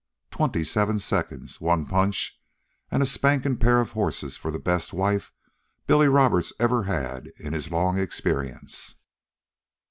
Twenty seven seconds one punch n' a spankin' pair of horses for the best wife Billy Roberts ever had in his long experience."